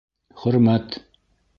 Хөрмәт!